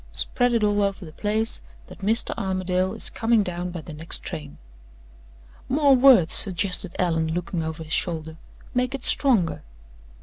Spread it all over the place that Mr. Armadale is coming down by the next train." "More words!" suggested Allan, looking over his shoulder. "Make it stronger."